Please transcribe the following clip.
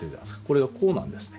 これをこうなんですね。